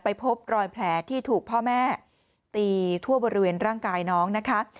พบรอยแผลที่ถูกพ่อแม่ตีทั่วบริเวณร่างกายน้องนะคะ